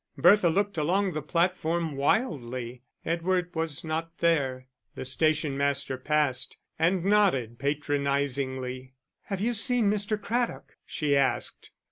Bertha looked along the platform wildly. Edward was not there. The station master passed, and nodded patronisingly. "Have you seen Mr. Craddock?" she asked.